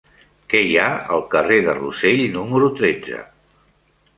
Què hi ha al carrer de Rossell número tretze?